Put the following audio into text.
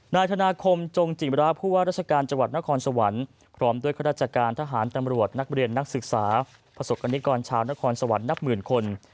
นายธนาคมจงจิมราผู้ว่าราชการจังหวัดนครสวรรค์พร้อมด้วยข้าราชการทหารตำรวจนักเรียนนักศึกษาประสบกรณิกรชาวนครสวรรค์นับหมื่นคน